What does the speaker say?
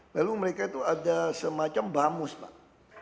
lalu mereka itu ada semacam bamus pak